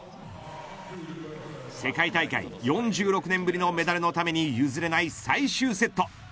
世界大会４６年ぶりのメダルのために譲れない最終セット。